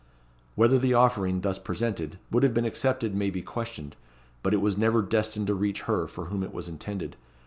Whether the offering, thus presented, would have been accepted may be questioned; but it was never destined to reach her for whom it was intended.